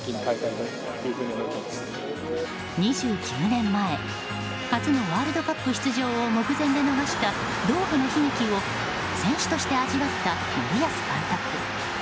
２９年前初のワールドカップ出場を目前で逃したドーハの悲劇を選手として味わった森保監督。